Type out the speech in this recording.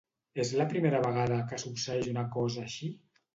És la primera vegada que succeeix una cosa així?